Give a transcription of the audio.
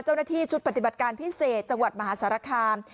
เจ้าหน้าที่ชุดปฏิบัติการพิเศษจังหวัดมหาสารคาม